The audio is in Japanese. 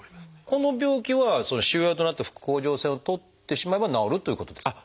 この病気は腫瘍となった副甲状腺を取ってしまえば治るということですか？